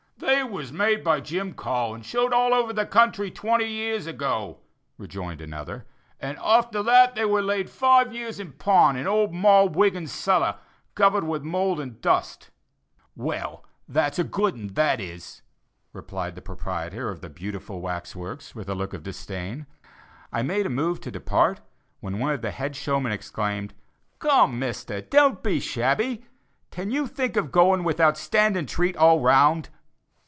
"They was made by Jim Caul, and showed all over the country twenty years ago," rejoined another; "and arter that they laid five years in pawn in old Moll Wiggin's cellar, covered with mould and dust." "Well, that's a good 'un, that is!" replied the proprietor of the beautiful wax works, with a look of disdain. I made a move to depart, when one of the head showmen exclaimed, "Come, Mister, don't be shabby; can you think of going without standing treat all round?"